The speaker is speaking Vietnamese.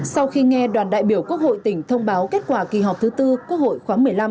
sau khi nghe đoàn đại biểu quốc hội tỉnh thông báo kết quả kỳ họp thứ tư quốc hội khoáng một mươi năm